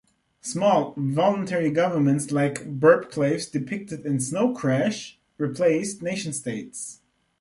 Small, voluntary governments like the burbclaves depicted in "Snow Crash" replaced nation-states.